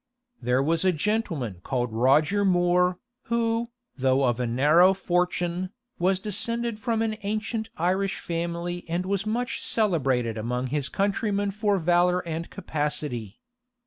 14 There was a gentleman called Roger More, who, though of a narrow fortune, was descended from an ancient Irish family and was much celebrated among his countrymen for valor and capacity.